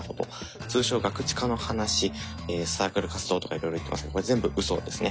通称ガクチカの話サークル活動とかいろいろ言ってますけどこれ全部うそですね。